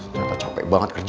ternyata capek banget kerja